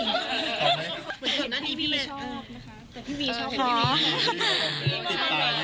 เห็นพี่บีชอบ